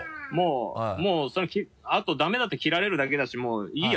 もうあとダメだったら切られるだけだしもういいや。